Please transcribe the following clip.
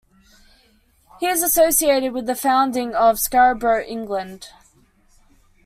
He is associated with the founding of Scarborough, England.